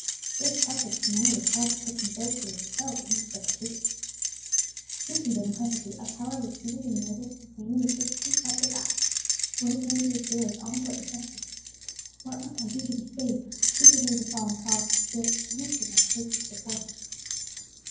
This preface commanded the silent attention of those who were themselves inmates of a prison. Simply, but impressively, Alcala repeated the narrative contained in the sixteenth chapter of Acts; but when he came to the jailer's all important question, "What must I do to be saved?" the speaker made a solemn pause, and gazed earnestly on the wild dark faces before him.